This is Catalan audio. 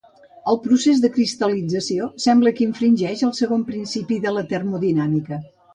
El procés de cristal·lització sembla que infringeix el segon principi de la termodinàmica.